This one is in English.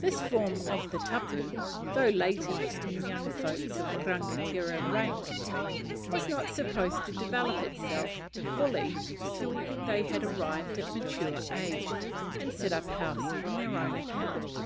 This form of the tapu, though latent in young folks of rangatira rank, was not supposed to develope itself fully till they had arrived at mature age, and set up house on their own account.